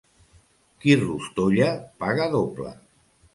Qui rostolla, paga doble.